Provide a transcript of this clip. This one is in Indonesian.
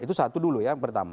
itu satu dulu ya pertama